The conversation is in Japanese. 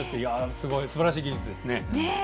すばらしい技術ですね。